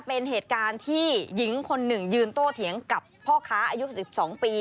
เป็นเหตุการณ์ที่หญิงคนหนึ่งยืนโต้เถียงกับพ่อค้าอายุ๑๒ปี